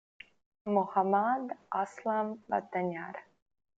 Mohammad Aslam Watanjar.